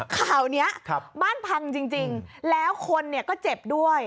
ข่าวนี้บ้านพังจริงแล้วคนเนี่ยก็เจ็บด้วย